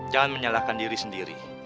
jangan menyalahkan diri sendiri